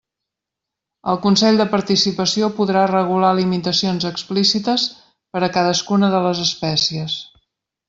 El Consell de Participació podrà regular limitacions explícites per a cadascuna de les espècies.